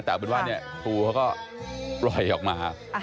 แต่เอาเป็นว่าเนี่ยทูเค้าก็ลอยออกมาอ่า